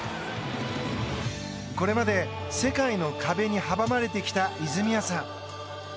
これまで世界の壁に阻まれてきた泉谷さん。